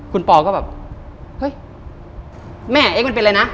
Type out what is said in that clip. คุณปอก็แบบเฮ้ยแม่เอ๊ะมันเป็นอะไรนะ